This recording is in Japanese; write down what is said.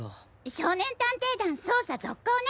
少年探偵団捜査続行ね！